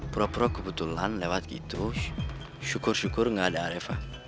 pura pura kebetulan lewat gitu syukur syukur gak ada arefa